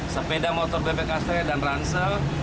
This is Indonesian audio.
sepeda motor honda astra dan ransel